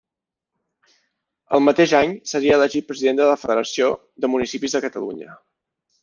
El mateix any seria elegit president de la Federació de Municipis de Catalunya.